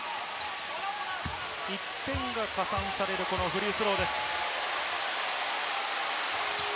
１点が加算されるフリースローです。